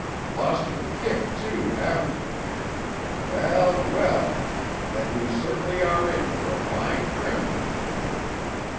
Lost your kick, too, haven't you? Well, well! Then you certainly are in for a fine trimming!"